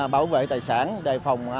bảo vệ tài sản đề phòng